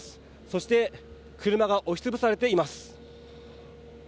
そして車が押し潰されています。